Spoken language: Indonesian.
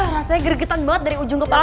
rasanya gregetan banget dari ujung kepala